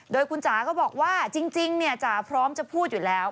โดยคุณจ๋าก็บอกว่าจริงเนี่ยจ๋าพร้อมจะพูดอยู่แล้ว